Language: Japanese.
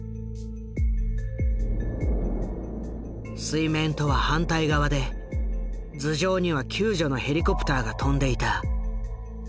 水面とは反対側で頭上には救助のヘリコプターが飛んでいた。